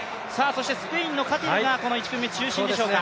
スペインのカティルがこの１組中心でしょうか。